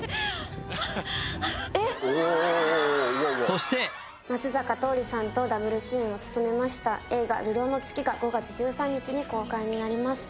そして松坂桃李さんとダブル主演を務めました映画「流浪の月」が５月１３日に公開になります